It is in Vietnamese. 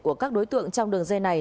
của các đối tượng trong đường dây này